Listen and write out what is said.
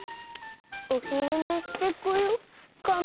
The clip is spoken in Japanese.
おひるねしてこようかな。